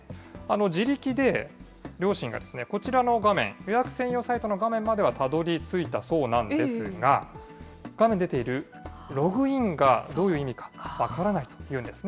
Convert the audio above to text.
自力で両親がですね、こちらの画面、予約専用サイトの画面まではたどりついたそうなんですが、画面に出ているログインがどういう意味か分からないというんですね。